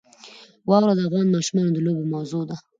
واوره د افغان ماشومانو د لوبو موضوع ده.